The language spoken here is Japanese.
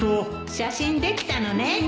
写真できたのね